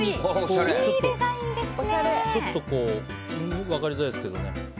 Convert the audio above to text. ちょっと分かりづらいですけどね。